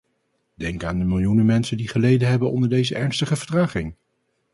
Denk aan de miljoenen mensen die geleden hebben onder deze ernstige vertraging.